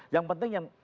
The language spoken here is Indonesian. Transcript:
yang penting yang